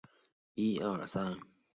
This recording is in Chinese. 维勒雷人口变化图示